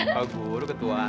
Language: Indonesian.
pak guru ketua